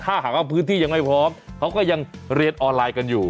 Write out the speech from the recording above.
ถ้าหากเอาพื้นที่อีกไม่พอเค้ายังเรียนออนไลน์กันอยู่